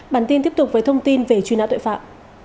bản tin tiếp tục với thông tin về truy nã tội phạm